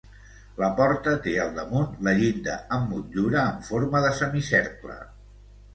La porta té al damunt la llinda amb motllura en forma de semicercle.